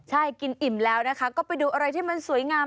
ใช่กินอิ่มแล้วนะคะก็ไปดูอะไรที่มันสวยงาม